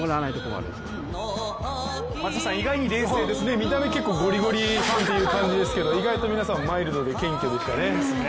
見た目、結構、ゴリゴリファンという感じですけど意外と皆さんマイルドで謙虚でしたね。